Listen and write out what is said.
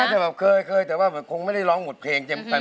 แต่เว้ยเคยมอ่ะคงไม่ได้ร้องหมดเพลง